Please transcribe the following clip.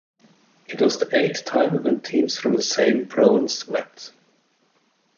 It was the eighth time when teams from the same province met.